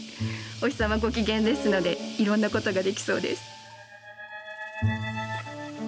お日様ご機嫌ですのでいろんなことができそうです。